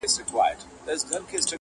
څارنوال ویله پلاره در جارېږم,